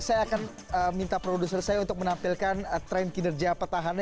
saya akan minta produser saya untuk menampilkan tren kinerja petahannya